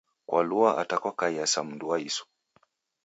Kwalua ata kwakaia sa mundu wa isu